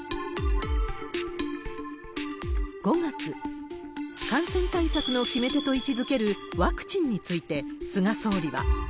５月、感染対策の決め手と位置づけるワクチンについて、菅総理は。